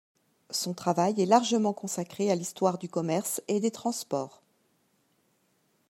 Son travail est largement consacré à l'histoire du commerce et des transports.